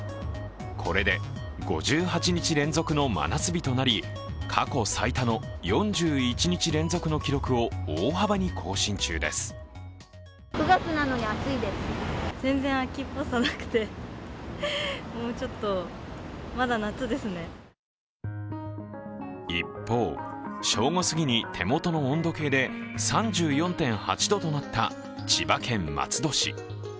これで５８日連続の真夏日となり過去最多の４１日連続の記録を大幅に更新中です一方、正午すぎに手元の温度計で３４．８度となった千葉県松戸市。